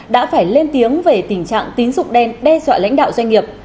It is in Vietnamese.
đã phải lên tiếng về tình trạng tín dụng đen đe dọa lãnh đạo doanh nghiệp